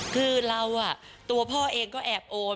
คือเราตัวพ่อเองก็แอบโอน